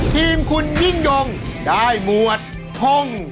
ทีมคุณยิ่งยงได้หมวดห้อง